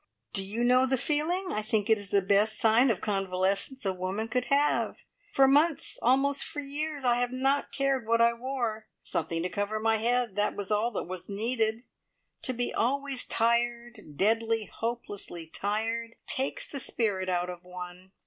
"Do you know the feeling? I think it is the best sign of convalescence a woman could have. For months, almost for years, I have not cared what I wore. Something to cover my head that was all that was needed. To be always tired deadly, hopelessly tired takes the spirit out of one."